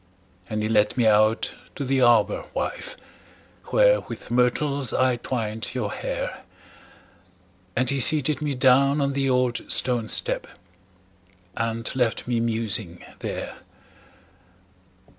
And he led me out to the arbor, wife, Where with myrtles I twined your hair; And he seated me down on the old stone step, And left me musing there.